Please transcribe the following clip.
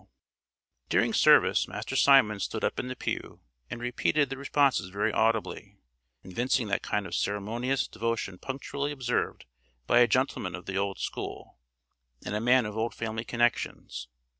During service, Master Simon stood up in the pew, and repeated the responses very audibly; evincing that kind of ceremonious devotion punctually observed by a gentleman of the old school, and a man of old family connections.